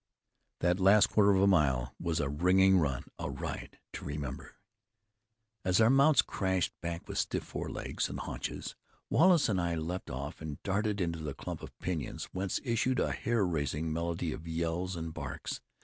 That last quarter of a mile was a ringing run, a ride to remember. As our mounts crashed back with stiff forelegs and haunches, Wallace and I leaped off and darted into the clump of pinyons, whence issued a hair raising medley of yells and barks.